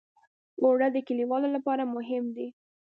اوړه د کليوالو لپاره مهم دي